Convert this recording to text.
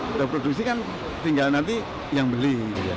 kita produksi kan tinggal nanti yang beli